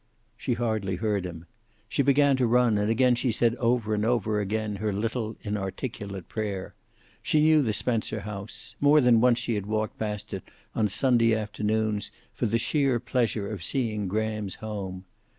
She hardly heard him. She began to run, and again she said over and over her little inarticulate prayer. She knew the Spencer house. More than once she had walked past it, on Sunday afternoons, for the sheer pleasure of seeing Graham's home.